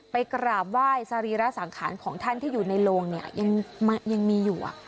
กราบไหว้สรีระสังขารของท่านที่อยู่ในโลงเนี่ยยังมีอยู่